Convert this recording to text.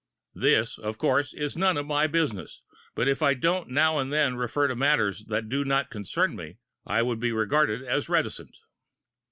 This, of course, is really none of my business, but if I didn't now and then refer to matters that do not concern me I would be regarded as reticent.